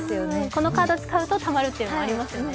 このカードを使うとたまるというのはありますよね。